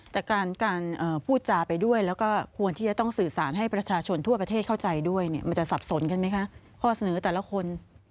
แต่การพูดจาไปด้วยแล้วก็ควรที่จะต้องสื่อสารให้ประชาชนทั่วประเทศเข้าใจด้วยเนี่ยมันจะสับสนกันไหมคะข้อเสนอแต่ละคน